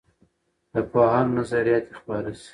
د پوهانو نظریات دې خپاره سي.